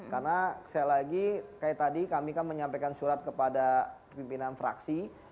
karena sekali lagi kayak tadi kami kan menyampaikan surat kepada pimpinan fraksi